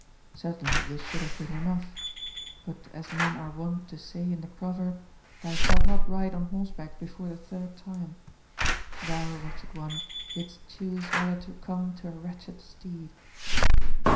Certainly this should have been enough 1 ^ ^But as men are wont to say in the proverb, * '1 hou shalt not ride on horseback before the third time,' thou, wretched one, didst choose rather to come to a wretched steed.